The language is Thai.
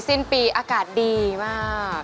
สิ้นปีอากาศดีมาก